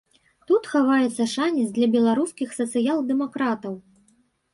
Тут хаваецца шанец для беларускіх сацыял-дэмакратаў.